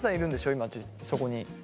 今そこに。